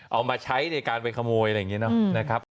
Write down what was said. เอามาใช้ในการไปขโมยอะไรอย่างนี้เนอะนะครับ